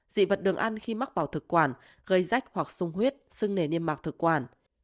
dị vật đường ăn khi mắc vào thực quản gây rách hoặc sung huyết sưng nề niêm mạc thực quản